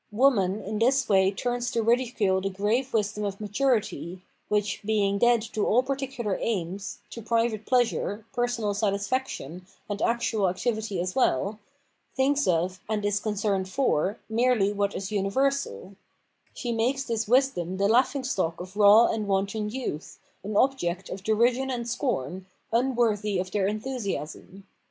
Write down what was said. Woman in this way turns to ridicule the grave wisdom of maturity, which, bemg dead to all particular aims, to private pleasure, personal satisfaction, and actual activity as well, thinks of, and is concerned for, merely what is universal ; she makes this wisdom the laughing stock of raw and wanton youth, an object of derision and scorn, un worthy of their enthusiasm.